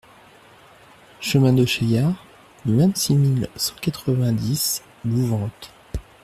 Chemin de Chaillard, vingt-six mille cent quatre-vingt-dix Bouvante